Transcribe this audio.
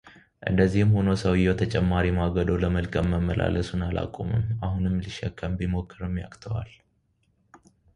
እንደዚህም ሆኖ ሰውየው ተጨማሪ ማገዶ ለመልቀም መመላለሱን አላቆመም፡፡ አሁንም ሊሸከም ቢሞክርም ያቅተዋል፡፡